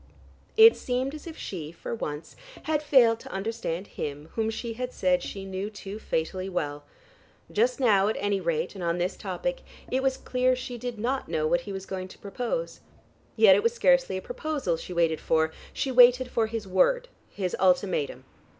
It seemed as if she, for once, had failed to understand him whom she had said she knew too fatally well. Just now, at any rate, and on this topic, it was clear she did not know what he was going to propose. Yet it was scarcely a proposal she waited for; she waited for his word, his ultimatum.